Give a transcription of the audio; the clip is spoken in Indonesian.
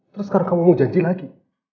terus karena kamu mau janji lagi